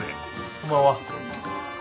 こんばんは。